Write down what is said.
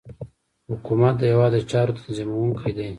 حکومت د هیواد د چارو تنظیمونکی دی